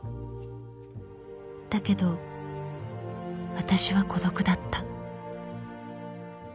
［だけどわたしは孤独だった］